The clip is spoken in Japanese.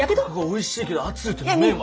おいしいけど熱うて飲めんわ。